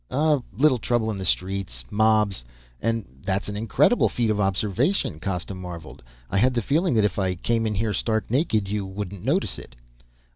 "A little trouble in the streets. Mobs. And that's an incredible feat of observation," Costa marveled. "I had the feeling that if I came in here stark naked, you wouldn't notice it."